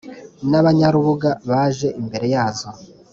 n abanyarubuga baje imbere yazo